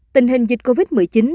tình hình dịch covid một mươi chín